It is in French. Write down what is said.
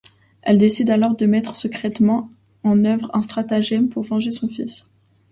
Elle décide alors de mettre secrètement en œuvre un stratagème pour venger son fils.